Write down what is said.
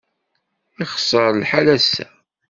Yexṣer lḥal ass-a.